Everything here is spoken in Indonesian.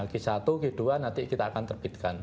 kisatu kedua nanti kita akan terbitkan